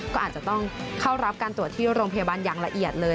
ก็อาจจะต้องเข้ารับการตรวจที่โรงพยาบาลอย่างละเอียดเลย